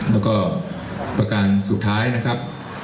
แล้วก็ประการสุดท้ายนะครับ